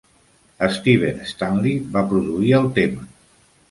Steven Stanley va produir el tema.